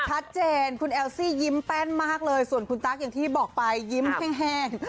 ชัดเจนคุณแอลซี่ยิ้มแป้นมากเลยส่วนคุณตั๊กอย่างที่บอกไปยิ้มแห้ง